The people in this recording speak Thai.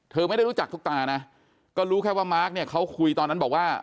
ไม่ได้รู้จักทุกตานะก็รู้แค่ว่ามาร์คเนี่ยเขาคุยตอนนั้นบอกว่า